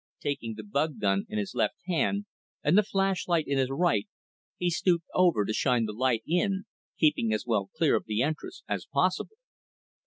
Taking the bug gun in his left hand and the flashlight in his right, he stooped over to shine the light in, keeping as well clear of the entrance as possible.